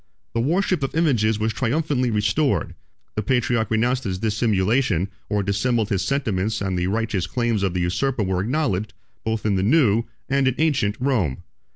The worship of images was triumphantly restored: the patriarch renounced his dissimulation, or dissembled his sentiments and the righteous claims of the usurper was acknowledged, both in the new, and in ancient, Rome.